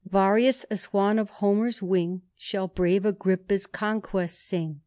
Varius, a swan of Homer* s wing. Shall brave Agrippa's conquests sing.